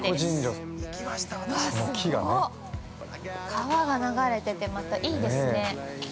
川が流れてて、またいいですね。